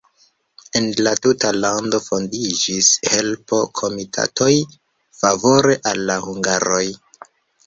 En la tuta lando fondiĝis helpo-komitatoj favore al la hungaroj.